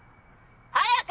「早く！」